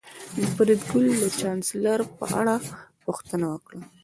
فریدګل د چانسلر په اړه پوښتنه وکړه